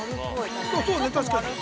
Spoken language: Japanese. ◆そうね、確かに。